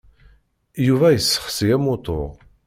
Yuba yessexsi amutur.